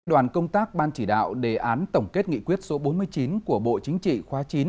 đoàn công tác ban chỉ đạo đề án tổng kết nghị quyết số bốn mươi chín của bộ chính trị khóa chín